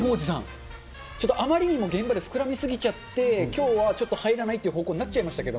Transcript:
ちょっとあまりにも現場で膨らみすぎちゃって、きょうはちょっと入らないという方向になっちゃいましたけど。